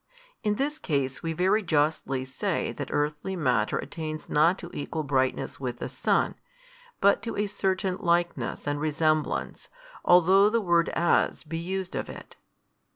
In this case we very justly say that earthly matter attains not to equal brightness with the sun, but to a certain likeness and resemblance, although the word As be used of it.